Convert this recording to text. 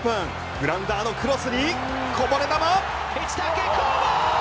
グラウンダーのクロスにこぼれ球。